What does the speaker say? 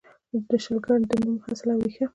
د شلګر د نوم اصل او ریښه: